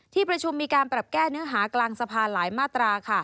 ที่ประชุมมีการปรับแก้เนื้อหากลางสภาหลายมาตรา